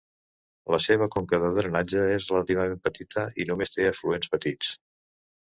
La seva conca de drenatge és relativament petita i només té afluents petits.